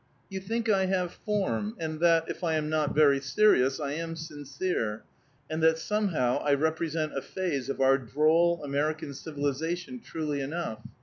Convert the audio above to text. You think I have form, and that, if I am not very serious, I am sincere, and that somehow I represent a phase of our droll American civilization truly enough.